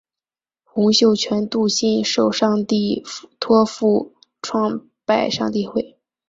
洪秀全笃信受上帝托负创拜上帝会。